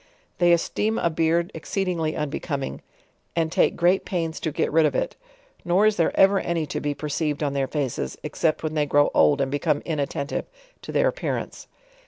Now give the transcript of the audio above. They esteem a beard exceedingly unbecoming, and take great pains to get rid of it; nor is there ever any to be per ceived on their faces, except when they grow old and .become inattentive to their appearance.